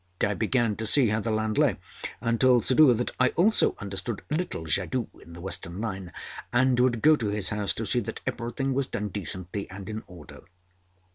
I began to see how the land lay, and told Suddhoo that I also understood a little jadoo in the Western line, and would go to his house to see that everything was done decently and in order.